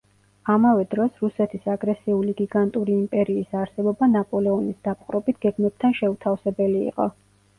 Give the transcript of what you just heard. ამავე დროს რუსეთის აგრესიული გიგანტური იმპერიის არსებობა ნაპოლეონის დაპყრობით გეგმებთან შეუთავსებელი იყო.